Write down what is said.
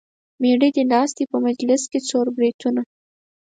مېړه دې ناست دی په مجلس کې څور بریتونه.